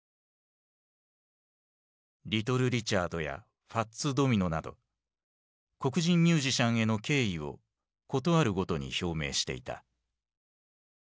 リトル・リチャードやファッツ・ドミノなど黒人ミュージシャンへの敬意を事あるごとに表明していた。